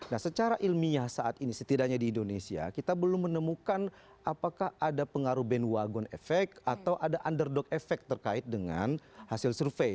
nah secara ilmiah saat ini setidaknya di indonesia kita belum menemukan apakah ada pengaruh bandwagon efek atau ada underdog efek terkait dengan hasil survei